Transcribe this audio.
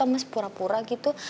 mas pura pura gitu